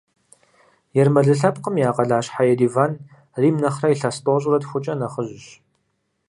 Ермэлы лъэпкъым я къалащхьэ Ереван Рим нэхъырэ илъэс тӏощӏрэ тхукӏэ нэхъыжьщ.